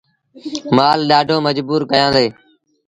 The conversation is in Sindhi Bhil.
مآل ڏآڍو مجبور ڪيآندي۔